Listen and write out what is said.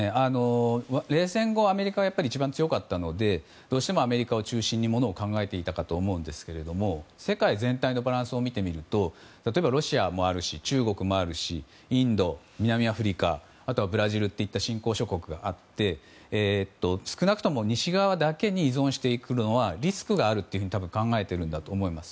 冷戦後はアメリカが一番強かったのでどうしてもアメリカを中心にものを考えていたかと思うんですけど世界全体のバランスを見てみるとロシアもあるし中国もあるしインド、南アフリカあとはブラジルといった新興諸国があって少なくとも西側だけに依存してくるのはリスクがあると考えていると思います。